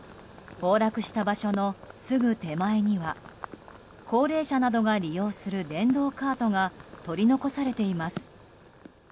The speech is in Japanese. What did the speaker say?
崩落した場所のすぐ手前には高齢者などが利用する電動カートが取り残されています。